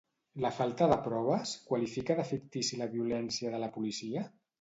La falta de proves qualifica de fictici la violència de la policia?